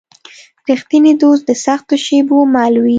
رښتینی دوست د سختو شېبو مل وي.